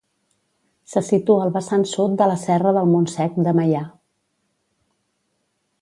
Se situa al vessant sud de la serra del Montsec de Meià.